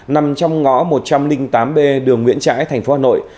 nằm trong ngõ một trăm linh tám b đường nguyễn trãi thành phố hà nội